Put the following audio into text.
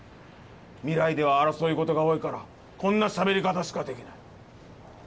未来では争いごとが多いからこんなしゃべり方しかできない。